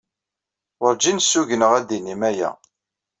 Werǧin ssugneɣ ad d-tinim aya.